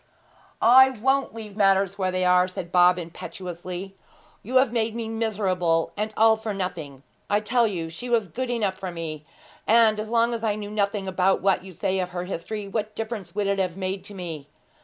'I won't leave matters where they are,' said Bob impetuously. 'You have made me miserable, and all for nothing. I tell you she was good enough for me; and as long as I knew nothing about what you say of her history, what difference would it have made to me?